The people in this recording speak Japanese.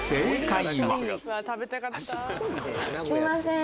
すいません。